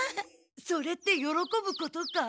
それってよろこぶことか？